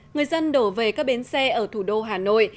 người dân đổ về các bến xe ở thủ đô hà nội